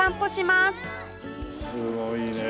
すごいねえ